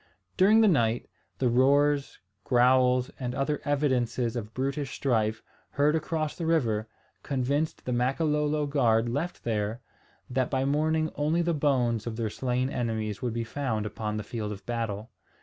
During the night, the roars, growls, and other evidences of brutish strife, heard across the river, convinced the Makololo guard left there, that by morning only the bones of their slain enemies would be found upon the field of battle.